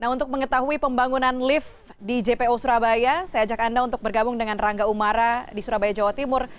nah untuk mengetahui pembangunan lift di jpo surabaya saya ajak anda untuk bergabung dengan rangga umara di surabaya jawa timur